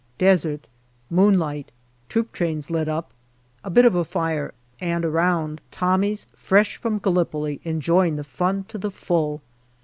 Desert, moonlight, troop trains lit up, a bit of a fire, and around, Tommies fresh from Gallipoli enjoying the fun to the full.